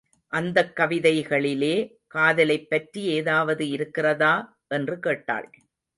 அந்தக் கவிதைகளிலே காதலைப் பற்றி ஏதாவது இருக்கிறதா? என்று கேட்டாள்.